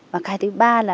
và cả thứ ba là